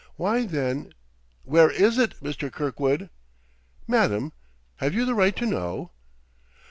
Why, then ? "Where is it, Mr. Kirkwood?" "Madam, have you the right to know?"